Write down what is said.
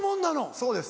そうです。